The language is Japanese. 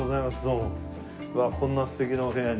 うわっこんな素敵なお部屋に。